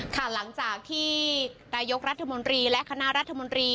ค่ะหลังจากที่นายกรัฐมนตรีและคณะรัฐมนตรี